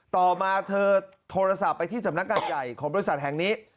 ต่อมาเธอโทรศัพท์ไปที่สำนักงานใหญ่ของบริษัทแห่งนี้